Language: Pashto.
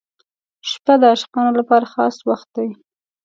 • شپه د عاشقانو لپاره خاص وخت دی.